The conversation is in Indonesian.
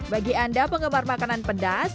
bagi anda penggemar makanan pedas